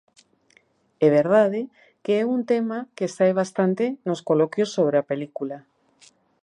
É verdade que é un tema que sae bastante nos coloquios sobre a película.